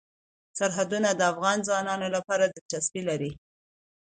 سرحدونه د افغان ځوانانو لپاره دلچسپي لري.